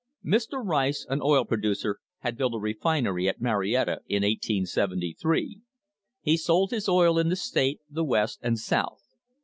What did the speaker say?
Mr. Rice, an oil producer, had built a refinery at Marietta in 1873. He sold his oil in the state, the West, and South.